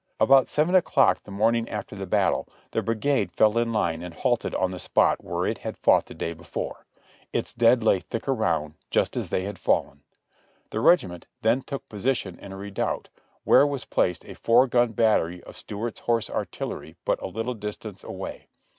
About seven o'clock the morning after the battle, the brigade fell in line and halted on the spot where it had fought the day before. Its dead lay thick around, just as they had fallen. The regiment then took position in a redoubt, where was placed a four gim battery of Stuart's horse artillery but a little distance away.